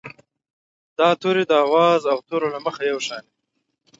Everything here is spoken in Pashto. دا توري د آواز او تورو له مخې یو شان وي.